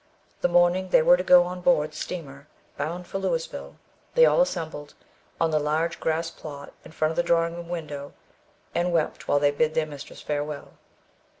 The morning they were to go on board the steamer, bound for Louisville, they all assembled on the large grass plot, in front of the drawing room window, and wept while they bid their mistress farewell.